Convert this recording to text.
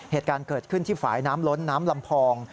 เหตุการณ์เกิดขึ้นที่ฝ่ายน้ำล้นน้ำลำพอง